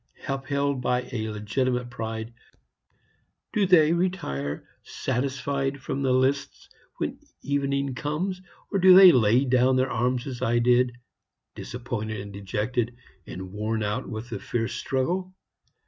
Upheld by a legitimate pride, do they retire satisfied from the lists when evening conies, or do they lay down their arms as I did, disappointed and dejected, and worn out with the fierce struggle?